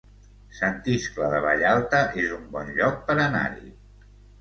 Sant Iscle de Vallalta es un bon lloc per anar-hi